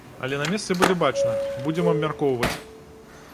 Але на месцы будзе бачна, будзем абмяркоўваць.